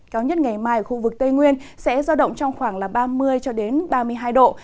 cao nhất ngày mai ở khu vực tây nguyên sẽ giao động trong khoảng ba mươi ba mươi hai độ